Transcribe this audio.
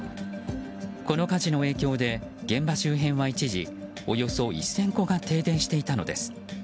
この火事の影響で現場周辺は一時およそ１０００戸が停電していたのです。